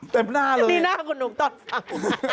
เต็มหน้าเลยนะครับเนี่ยหน้าของหนูตอนฟัง